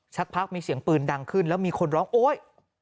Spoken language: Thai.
สักพักมีเสียงปืนดังขึ้นแล้วมีคนร้องโอ๊ย